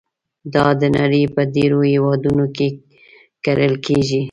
دا د نړۍ په ډېرو هېوادونو کې کرل کېږي.